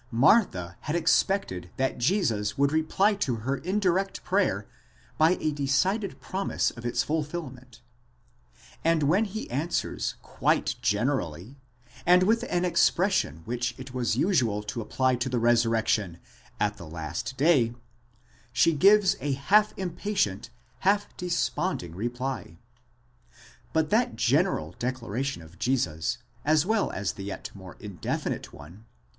Martha had expected that Jesus would reply to her indirect prayer by a decided promise of its fulfilment, and when he answers quite generally and with an expression which it was usual to apply to the resurrection at the last day (ἀναστήσεται), she gives a half impatient half desponding reply.? But that general declaration of Jesus, as well as the yet more indefinite one (v.